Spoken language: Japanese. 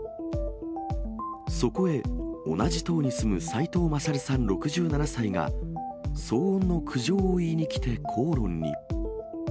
そこへ、同じ棟に住む斉藤勝さん６７歳が、騒音の苦情を言いに来て口論に。